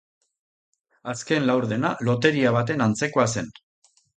Azken laurdena loteria baten antzekoa zen.